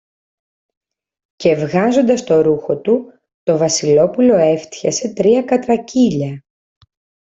Και βγάζοντας το ρούχο του, το Βασιλόπουλο έφτιασε τρία κατρακύλια.